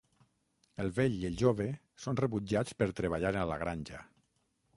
El vell i el jove són rebutjats per treballar a la granja.